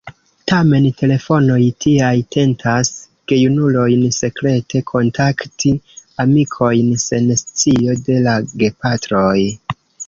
Tamen telefonoj tiaj tentas gejunulojn sekrete kontakti amikojn sen scio de la gepatroj.